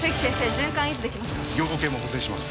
循環維持できますか凝固系も補正します